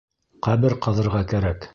Ҡәбер ҡаҙырға кәрәк.